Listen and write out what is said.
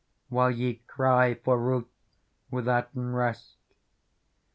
While ye cry for ruth withouten rest.